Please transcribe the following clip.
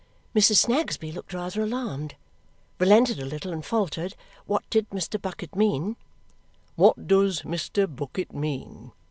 Mrs. Snagsby looked rather alarmed, relented a little and faltered, what did Mr. Bucket mean. "What does Mr. Bucket mean?"